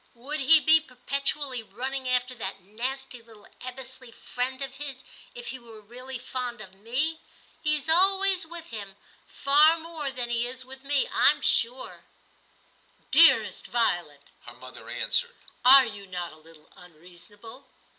Would he be perpetually running after that nasty little Ebbesley friend of his, if he were really fond of me ? he's always with him, far more than he is with me, I'm sure.* 266 TIM CHAP. * Dearest Violet/ her mother answered, * are you not a little unreasonable